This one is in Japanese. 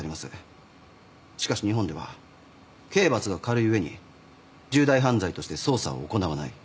しかし日本では刑罰が軽い上に重大犯罪として捜査を行わない。